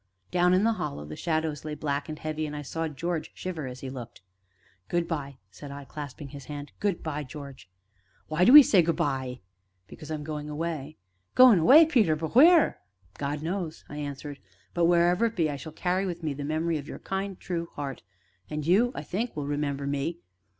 Down in the Hollow the shadows lay black and heavy, and I saw George shiver as he looked. "Good by!" said I, clasping his hand; "good by, George!" "Why do 'ee say good by?" "Because I am going away." "Goin' away, Peter but wheer?" "God knows!" I answered, "but, wherever it be, I shall carry with me the memory of your kind, true heart and you, I think, will remember me.